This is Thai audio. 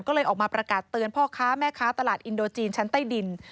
ก็เลยออกมาประกาศเตือนพ่อค้าแม่ค้าตลาดอินโดจีนชั้นใต้ดิน